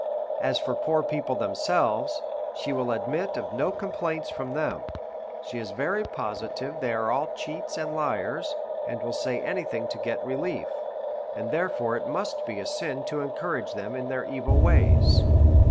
As for poor people themselves, she will admit of no complaints for them ; she is very positive they are all cheats and liars, and will say any thing to get relief, and therefore it must be a sin to encourage them in their evil ways.